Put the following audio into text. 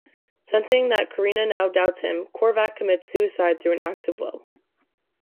Sensing that Carina now doubts him, Korvac commits suicide through an act of will.